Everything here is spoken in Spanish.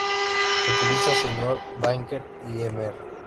Se utiliza "Señor Danger" y "Mr.